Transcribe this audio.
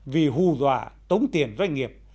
vì hù dọa tống tiền doanh nghiệp